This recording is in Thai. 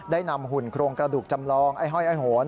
ได้นำหุ่นโครงกระดูกจำลองไอ้ห้อยไอ้โหน